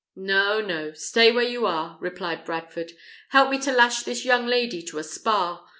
"No, no; stay where you are," replied Bradford. "Help me to lash this young lady to a spar.